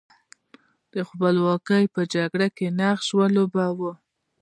د خپلواکۍ په جګړه کې نقش ولوباوه.